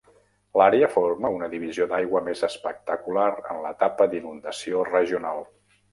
L'àrea forma una divisió d'aigua més espectacular en l'etapa d'inundació regional.